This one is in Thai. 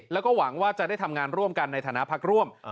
แล้วก็หวังว่าจะได้ทำงานร่วมกันในฐานะพักร่วม